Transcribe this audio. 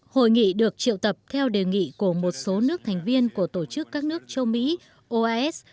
hội nghị được triệu tập theo đề nghị của một số nước thành viên của tổ chức các nước châu mỹ oas